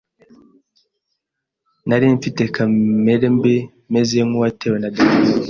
Nari mfite kamere mbi, meze nk’uwatewe na dayimoni.